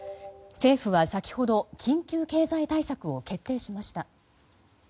政府は先ほど緊急経済対策を決定しました。